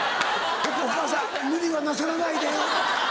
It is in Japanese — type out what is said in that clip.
お母さん無理はなさらないで。